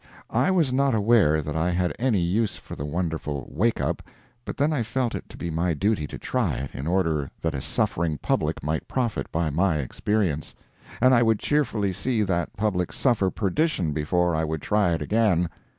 I was not aware that I had any use for the wonderful "wake up," but then I felt it to be my duty to try it, in order that a suffering public might profit by my experience—and I would cheerfully see that public suffer perdition before I would try it again.